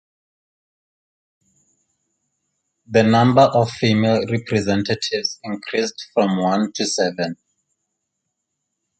The number of female representatives increased from one to seven.